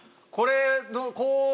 これこう。